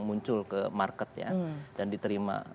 muncul ke market ya dan diterima